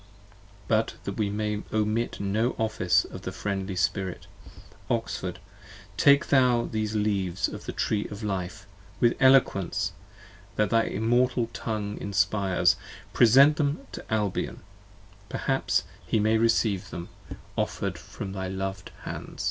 But that we may omit no office of the friendly spirit, 30 Oxford, take thou these leaves of the Tree of Life: with eloquence, That thy immortal tongue inspires, present them to Albion: Perhaps he may recieve them, offer 'd from thy loved hands.